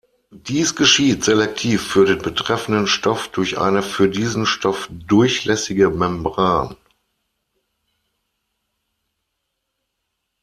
Dies geschieht selektiv für den betreffenden Stoff durch eine für diesen Stoff durchlässige Membran.